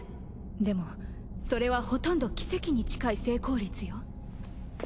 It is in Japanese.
でもそれはほとんど奇跡に近い成功率よ。